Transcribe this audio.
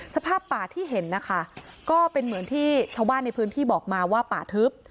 สภาพป่าที่เห็นนะคะก็เป็นเหมือนที่ชาวบ้านในพื้นที่บอกมาว่าป่าทึบ